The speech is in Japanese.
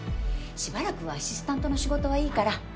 しばらくアシスタントの仕事はいいから。